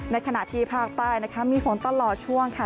ขณะที่ภาคใต้นะคะมีฝนตลอดช่วงค่ะ